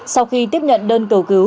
sau khi tiếp nhận đơn cầu cứu